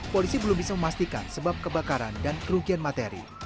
polisi belum bisa memastikan sebab kebakaran dan kerugian materi